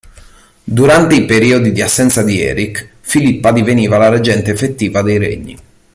Durante i periodi di assenza di Eric, Filippa diveniva la reggente effettiva dei regni.